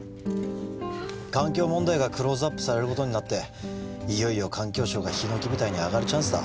環境問題がクローズアップされることになっていよいよ環境省がひのき舞台に上がるチャンスだ